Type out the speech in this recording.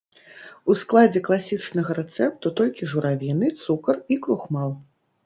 У складзе класічнага рэцэпту толькі журавіны, цукар і крухмал.